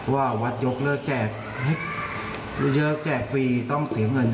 ว่าวัดยกเลิกแจกให้เยอะแจกฟรีต้องเสียเงิน